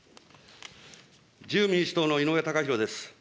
自由民主党の井上貴博です。